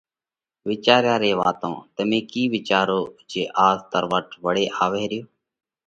وِيچاريا ري واتون تمي ڪِي وِيچاروه جي آز تروٽ وۯي آوئہ رو